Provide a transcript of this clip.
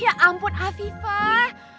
ya ampun afifah